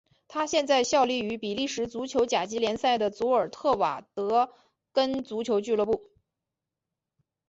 他现在效力于比利时足球甲级联赛的祖尔特瓦雷根足球俱乐部。